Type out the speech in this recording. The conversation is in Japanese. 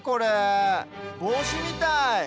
ぼうしみたい。